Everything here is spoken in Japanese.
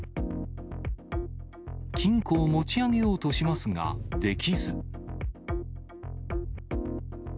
金庫を持ち上げようとしますが、できず。